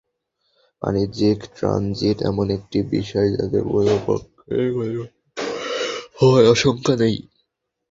বাণিজ্যিক ট্রানজিট এমন একটি বিষয়, যাতে কোনো পক্ষেরই ক্ষতিগ্রস্ত হওয়ার আশঙ্কা নেই।